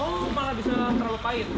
oh malah bisa terlalu pahit